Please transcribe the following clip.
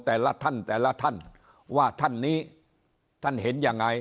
แต่ละท่านแต่ละท่านว่าท่านนี้ท่านเห็นยังไง